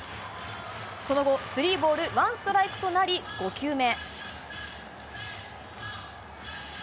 その後、スリーボールワンストライクとなり５球目。